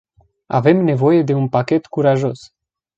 Avem nevoie de un pachet curajos.